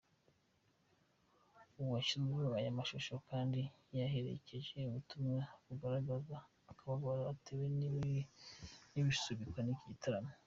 Uwashyizemo aya mashusho kandi yayaherekesheje ubutumwa bugaragaza akababaro atewe n’isubikwa ry’iki gitaramo.